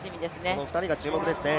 この２人が注目ですね。